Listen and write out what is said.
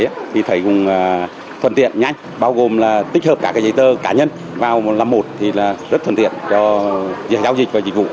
thì thấy cũng thuận tiện nhanh bao gồm là tích hợp các giấy tờ cá nhân vào một là một thì rất thuận tiện cho giáo dịch và dịch vụ